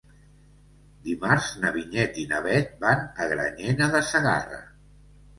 Dimarts na Vinyet i na Bet van a Granyena de Segarra.